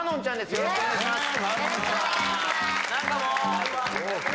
よろしくお願いします